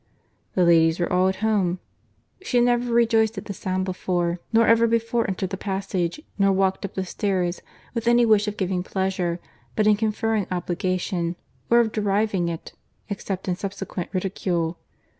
"The ladies were all at home." She had never rejoiced at the sound before, nor ever before entered the passage, nor walked up the stairs, with any wish of giving pleasure, but in conferring obligation, or of deriving it, except in subsequent ridicule.